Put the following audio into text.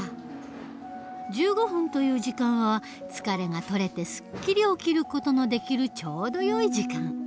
１５分という時間は疲れが取れてすっきり起きる事のできるちょうどよい時間。